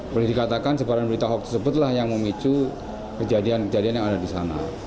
boleh dikatakan sebaran berita hoax tersebutlah yang memicu kejadian kejadian yang ada di sana